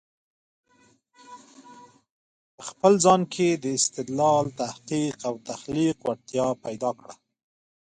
په خپل ځان کې د استدلال، تحقیق او تخليق وړتیا پیدا کړی